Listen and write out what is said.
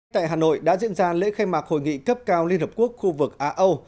tại hà nội đã diễn ra lễ khai mạc hội nghị cấp cao liên hợp quốc khu vực á âu